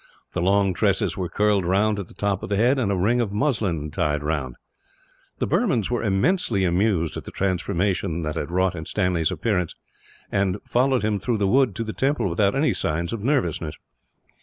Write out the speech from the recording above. The long tresses were curled round, at the top of the head, and a ring of muslin tied round. The Burmans were immensely amused at the transformation that had been wrought in Stanley's appearance; and followed him through the wood, to the temple, without any signs of nervousness.